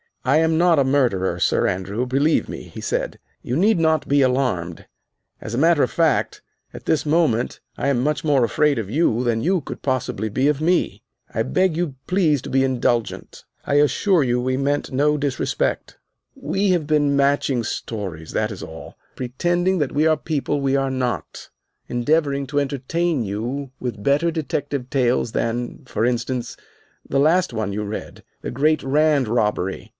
"I am not a murderer, Sir Andrew, believe me," he said; "you need not be alarmed. As a matter of fact, at this moment I am much more afraid of you than you could possibly be of me. I beg you please to be indulgent. I assure you, we meant no disrespect. We have been matching stories, that is all, pretending that we are people we are not, endeavoring to entertain you with better detective tales than, for instance, the last one you read, 'The Great Rand Robbery.